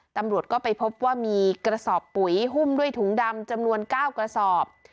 ตำรวจก็ไปพบว่ามีกระสอบปุ๋ยหุ้มด้วยถุงดำจำนวน๙กระสอบ